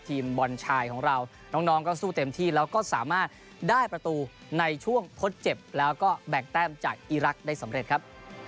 บอลชายของเราน้องก็สู้เต็มที่แล้วก็สามารถได้ประตูในช่วงทดเจ็บแล้วก็แบ่งแต้มจากอีรักษ์ได้สำเร็จครับ